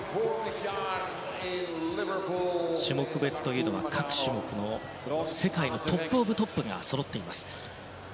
種目別というのは各種目の世界のトップオブトップがそろっています。